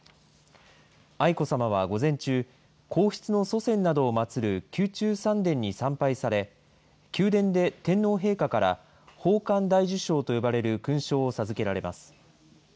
愛子さまは午前中、皇室の祖先などを祭る宮中三殿に参拝され、宮殿で天皇陛下から、宝冠大綬章と呼ばれる勲章を授けられます。